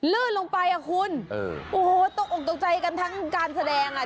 ลื่นลงไปอ่ะคุณโอ้โหตกออกตกใจกันทั้งการแสดงอ่ะ